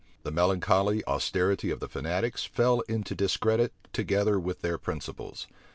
The melancholy austerity of the fanatics fell into discredit together with their principles.